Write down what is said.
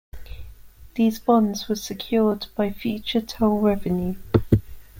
These bonds were secured by future toll revenue.